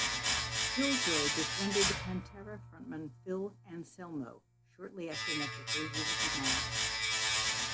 Killjoy befriended Pantera frontman Phil Anselmo, shortly after Necrophagia's demise.